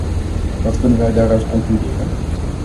Wat kunnen wij daaruit concluderen?